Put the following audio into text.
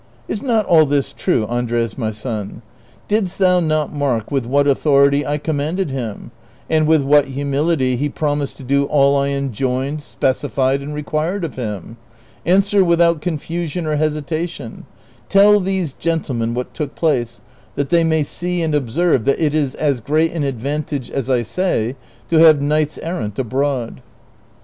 ^ Is not all this true, Andres my son ? Didst thou not mark with what authority I commanded him, and with what humility he promised to do all I enjoined, specified, and required of him ? Answer without confusion or hesitation ; tell these gentlemen what took place, that they may see and observe that it is as great an advantage as I say to have kniglits errant abroad."